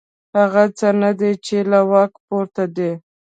هغه څه نه دي چې له واک پورته دي.